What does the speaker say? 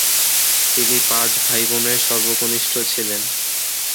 তিনি পাঁচ ভাইবোনের সর্বকনিষ্ঠ ছিলেন।